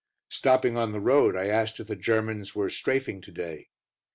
Stopping on the road, I asked if the Germans were "strafing" to day.